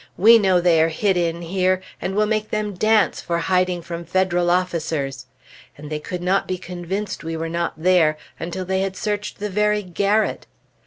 We know they are hid in here, and we'll make them dance for hiding from Federal officers!" And they could not be convinced that we were not there, until they had searched the very garret.